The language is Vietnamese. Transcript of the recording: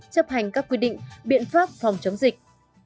chấp hành các quy định biện pháp phòng chống dịch